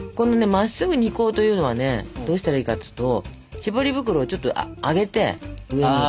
まっすぐに引こうというのはねどうしたらいいかというと絞り袋をちょっと上げて上に。